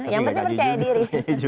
yang penting percaya diri